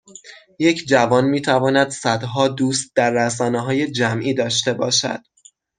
یک جوان میتواند صدها دوست در رسانههای جمعی داشته باشد